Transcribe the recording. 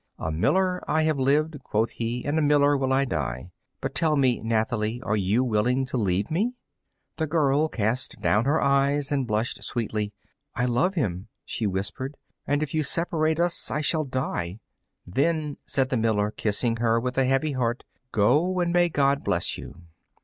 "A miller I have lived," quoth he, "and a miller will I die. But tell me, Nathalie, are you willing to leave me?" The girl cast down her eyes and blushed sweetly. "I love him," she whispered, "and if you separate us I shall die." "Then," said the miller, kissing her with a heavy heart, "go; and may God bless you!"